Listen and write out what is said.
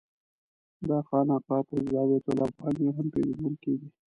دا خانقاه په الزاویة الافغانیه هم پېژندل کېږي.